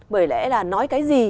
bởi lẽ là nói cái gì